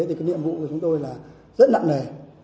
thì cái nhiệm vụ của chúng tôi là rất nặng nề